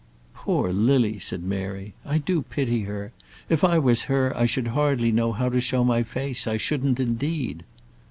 "Poor Lily!" said Mary. "I do pity her. If I was her I should hardly know how to show my face; I shouldn't, indeed."